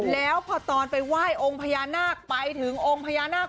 แล้วพอตอนไปไหว้องค์พญานาคไปถึงองค์พญานาค